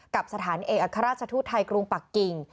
กับสถานเอกอัครราชทูตไทยกรุงปักกิ่ง